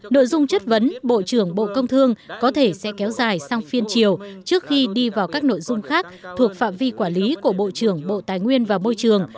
nội dung chất vấn bộ trưởng bộ công thương có thể sẽ kéo dài sang phiên chiều trước khi đi vào các nội dung khác thuộc phạm vi quản lý của bộ trưởng bộ tài nguyên và môi trường